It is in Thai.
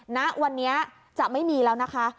ณวันนี้จะไม่มีแล้วนะคะ